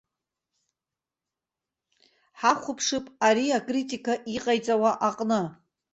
Ҳаҳәаԥшып ари акритика иҟаиҵауа аҟны.